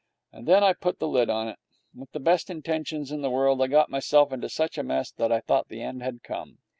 And then I put the lid on it. With the best intentions in the world I got myself into such a mess that I thought the end had come.